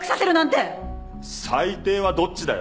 最低はどっちだよ。